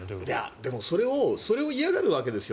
でもそれを嫌がるわけですよ